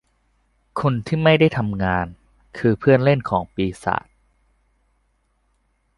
คนที่ไม่ได้ทำงานคือเพื่อนเล่นของปีศาจ